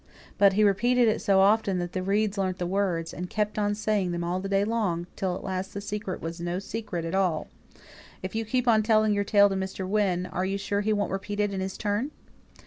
But he repeated it so often that the reeds learnt the words, and kept on saying them all day long, till at last the secret was no secret at all. If you keep on telling your tale to Mr. Wynne, are you sure he won't repeat it in his turn?"